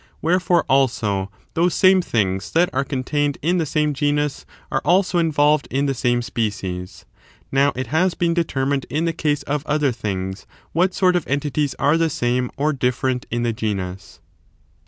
Wherefore, also, those same things that are contained in the same genus are also involved in the same species. Now, it has been determined in the case of other things what sort of entities are the same or different in the genus.